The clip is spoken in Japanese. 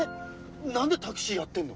何でタクシーやってんの？